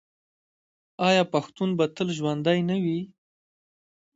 آیا پښتون به تل ژوندی نه وي؟